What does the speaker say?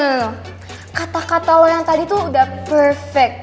no no no kata kata lo yang tadi tuh udah perfect